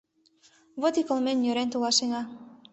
Вот и кылмен-нӧрен толашена.